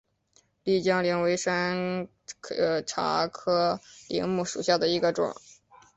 丽江柃为山茶科柃木属下的一个种。